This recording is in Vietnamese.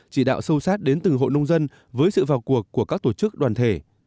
chỉ đạo sâu sát đến từng hộ nông dân với sự vào cuộc của các tổ chức đoàn thể